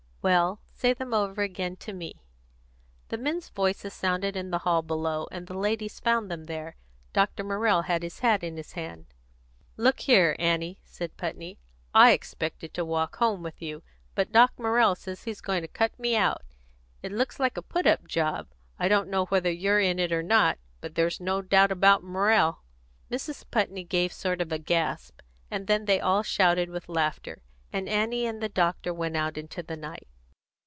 "Well, say them over again, to me." The men's voices sounded in the hall below, and the ladies found them there. Dr. Morrell had his hat in his hand. "Look here, Annie," said Putney, "I expected to walk home with you, but Doc Morrell says he's going to cut me out. It looks like a put up job. I don't know whether you're in it or not, but there's no doubt about Morrell." Mrs. Putney gave a sort of gasp, and then they all shouted with laughter, and Annie and the doctor went out into the night.